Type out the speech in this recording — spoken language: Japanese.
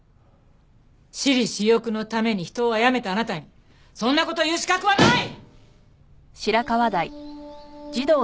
私利私欲のために人をあやめたあなたにそんな事言う資格はない！